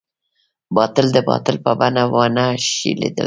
باطل د باطل په بڼه ونه شي ليدلی.